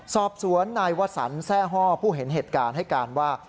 สอบสวนนายวสันแทร่ฮ่อผู้เห็นเหตุการณ์ให้การว่า